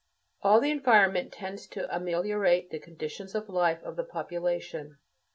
All the environment tends to ameliorate the "conditions of life" of the population.